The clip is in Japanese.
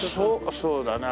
そうだな。